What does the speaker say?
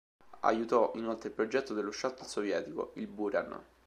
Aiutò inoltre il progetto dello "Shuttle" sovietico: il Buran.